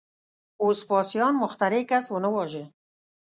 وسپاسیان مخترع کس ونه واژه.